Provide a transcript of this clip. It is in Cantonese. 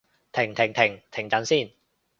停停停！停陣先